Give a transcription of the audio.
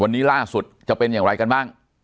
วันนี้ล่าสุดจะเป็นอย่างไรกันบ้าง